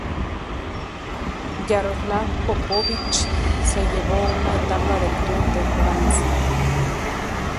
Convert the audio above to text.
Yaroslav Popovich se llevó una etapa del Tour de Francia.